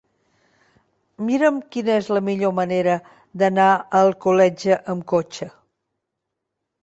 Mira'm quina és la millor manera d'anar a Alcoletge amb cotxe.